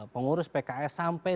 pengurus pks sampai